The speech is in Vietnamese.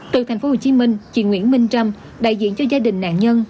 từ thành phố hồ chí minh chị nguyễn minh trâm đại diện cho gia đình nạn nhân